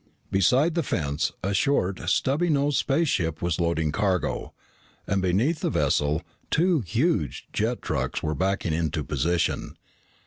Beside the fence, a short, stubby nosed spaceship was loading cargo, and beneath the vessel, two huge jet trucks were backing into position.